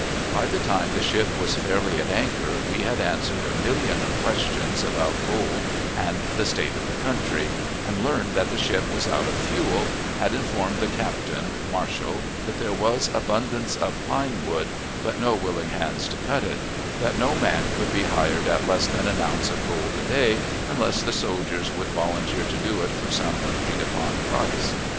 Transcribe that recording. By the time the ship was fairly at anchor we had answered a million of questions about gold and the state of the country; and, learning that the ship was out of fuel, had informed the captain (Marshall) that there was abundance of pine wood, but no willing hands to cut it; that no man could be hired at less than an ounce of gold a day, unless the soldiers would volunteer to do it for some agreed upon price.